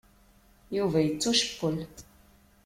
Yuba yettucewwel.